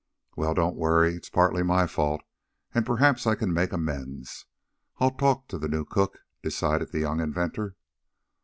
"Well, don't worry. It's partly my fault, and perhaps I can make amends. I'll talk to the new cook," decided the young inventor.